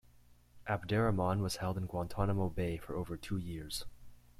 Abderrahmane was held in Guantanamo Bay for over two years.